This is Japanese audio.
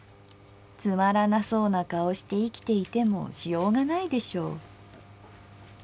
つまらなそうな顔して生きていてもしようがないでしょ」。